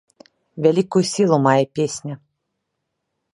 Вялікую сілу мае песня.